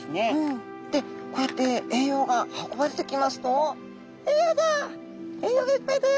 でこうやって栄養が運ばれてきますと「栄養だ！栄養がいっぱいだよ」